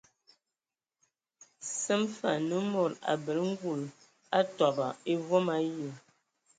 Səm fə anə mod abələ ngul atɔbɔ e vom ayi.